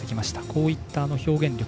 こういった表現力。